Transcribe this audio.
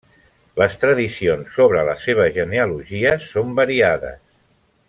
Les tradicions sobre la seva genealogia són variades.